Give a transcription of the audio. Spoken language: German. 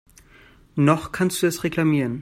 Noch kannst du es reklamieren.